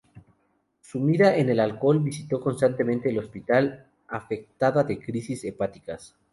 Sumida en el alcohol, visitó constantemente el hospital afectada de crisis hepáticas.